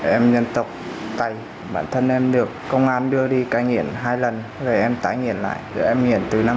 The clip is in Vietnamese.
em dân tộc tây bản thân em được công an đưa đi cai nghiện hai lần rồi em tái nghiện lại rồi em nghiện từ năm hai nghìn một mươi